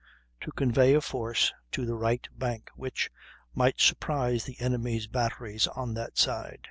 to convey a force to the right bank, which... might surprise the enemy's batteries on that side.